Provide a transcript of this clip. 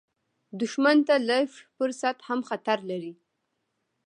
دښمن ته لږ فرصت هم خطر لري